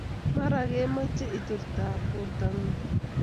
Mara kemoche iturturb bortangun